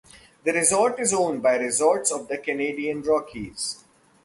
The resort is owned by Resorts of the Canadian Rockies.